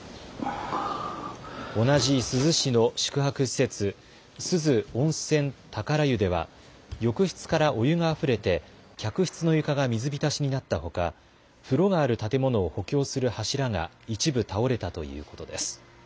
同じ珠洲市の宿泊施設、珠洲温泉宝湯では浴室からお湯があふれて客室の床が水浸しになったほか風呂がある建物を補強する柱が一部倒れたということです。